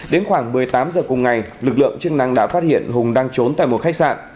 đến khoảng một mươi tám h cùng ngày lực lượng chức năng đã phát hiện hùng đang trốn tại một khách sạn